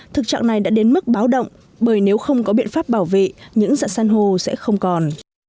thực trạng này đã đến mức báo động bởi nếu không có biện pháp bảo vệ những dạng san hô sẽ không còn